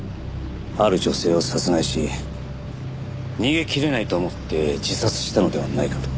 ある女性を殺害し逃げ切れないと思って自殺したのではないかと。